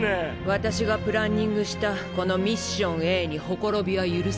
私がプランニングしたこの「ミッションＡ」に綻びは許されない。